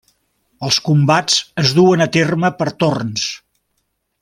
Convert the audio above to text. Els combats es duen a terme per torns.